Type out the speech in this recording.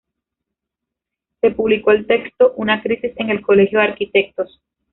Se publicó el texto "Una Crisis en el Colegio de Arquitectos".